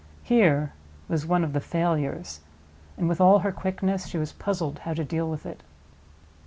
Here was one of the failures, and, with all her quickness, she was puzzled how to deal with it.